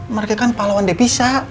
mereka kan pahlawan debisa